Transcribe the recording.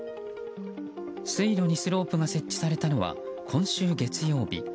水路にスロープが設置されたのは今週月曜日。